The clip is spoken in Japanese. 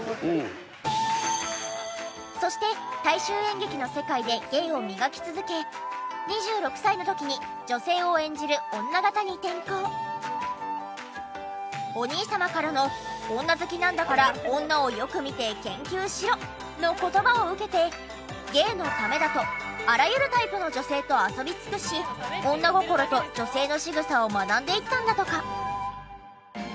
そして大衆演劇の世界で芸を磨き続けお兄様からの「女好きなんだから女をよく見て研究しろ」の言葉を受けて芸のためだとあらゆるタイプの女性と遊び尽くし女心と女性のしぐさを学んでいったんだとか。